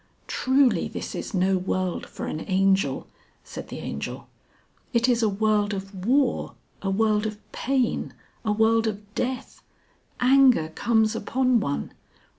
"Truly, this is no world for an Angel!" said the Angel. "It is a World of War, a World of Pain, a World of Death. Anger comes upon one